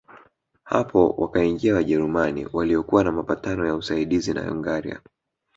Hapo wakaingia Wajerumani waliokuwa na mapatano ya usaidizi na Hungaria